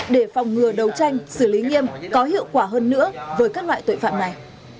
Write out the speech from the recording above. để phòng ngừa đấu tranh xử lý nghiêm có hiệu quả hơn nữa với các loại tội phạm này